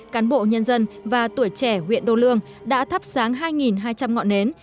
cán bộ nhân dân và tuổi trẻ huyện đô lương đã thắp sáng hai hai trăm linh ngọn nến